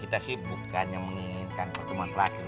kita sih bukan yang menginginkan pertemuan terakhir